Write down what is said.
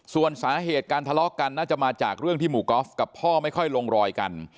ส่วนสาเหตุการทะเลาะกันน่าจะมาจากเรื่องที่หมู่กอล์ฟกับพ่อไม่ค่อยลงรอยกัน